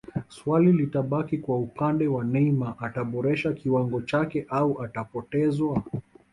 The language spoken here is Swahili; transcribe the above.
swali litabaki kwa upande wa Neymar ataboresha kiwango chake au atapotezwa